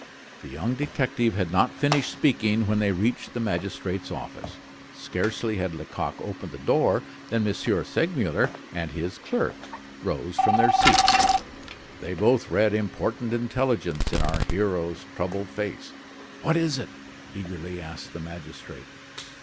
The young detective had not finished speaking when they reached the magistrate's office. Scarcely had Lecoq opened the door than M. Segmuller and his clerk rose from their seats. They both read important intelligence in our hero's troubled face. "What is it?" eagerly asked the magistrate.